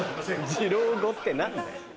二郎語って何だよ。